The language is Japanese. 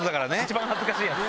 一番恥ずかしいやつ。